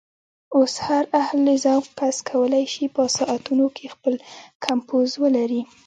اوس هر اهل ذوق کس کولی شي په ساعتونو کې خپل کمپوز ولري.